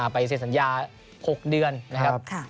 ไปเสร็จสัญญา๖เดือนนะครับ